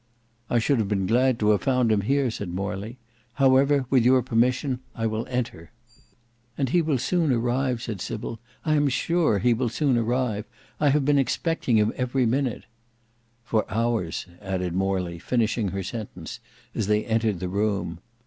"I should have been glad to have found him here," said Morley. "However with your permission I will enter." "And he will soon arrive," said Sybil; "I am sure he will soon arrive. I have been expecting him every minute—" "For hours," added Morley, finishing her sentence, as they entered the room.